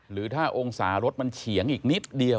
หรือถ้าองศารถมันเฉียงอีกนิดเดียว